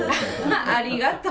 ありがとう。